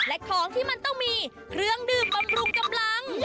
และของที่มันต้องมีเครื่องดื่มบำรุงกำลัง